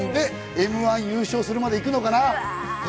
Ｍ−１優勝するまで行くのかな？